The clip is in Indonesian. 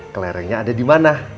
kelerengnya ada dimana